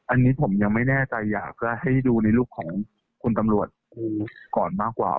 อันนี้ผมยังไม่แน่ใจอยากจะให้ดูในรูปของคุณตำรวจครูก่อนมากกว่า